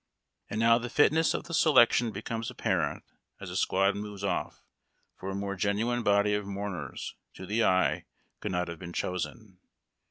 And now the fitness of the selection becomes apparent as the squad moves off, for a more genuine body of mourners, to the eye, could not have been chosen.